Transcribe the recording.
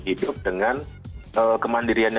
hidup dengan kemandiriannya